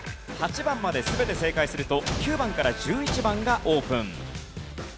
８番まで全て正解すると９番から１１番がオープン。